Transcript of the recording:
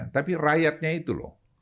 tapi rakyatnya itu loh